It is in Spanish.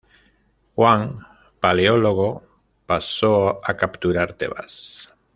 Juan Paleólogo pasó a capturar Tebas.